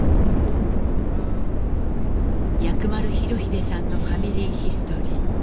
薬丸裕英さんの「ファミリーヒストリー」。